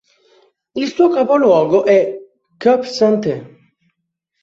Il suo capoluogo è Cap-Santé.